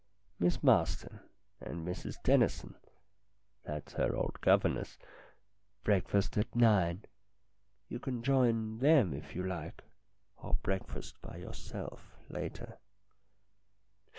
Miss Marston and Mrs Dennison that's her old governess breakfast at nine. You can join them if you like, or breakfast by yourself later."